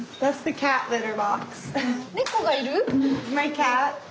猫がいる？